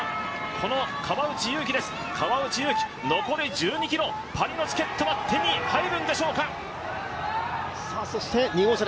この川内優輝です、川内優輝残り１５ｋｍ、パリのチケットは手に入るのでしょうか。